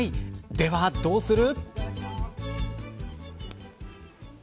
では、どうする。